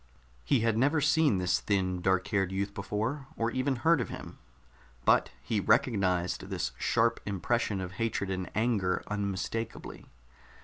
He had never seen this thin, dark haired youth before, or even heard of him, but he recognized this sharp impression of hatred and anger unmistakably.